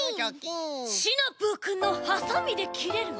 シナプーくんの「ハサミできれる」！